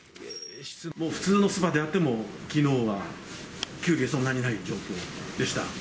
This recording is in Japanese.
もう普通のスーパーであっても、きのうはキュウリがそんなにない状況でした。